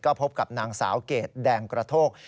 พบกับนางสาวเกรดแดงกระโทก